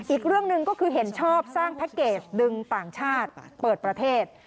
อีกเรื่องหนึ่งก็คือเห็นชอบสร้างแพ็คเกจดึงต่างชาติเปิดประเทศ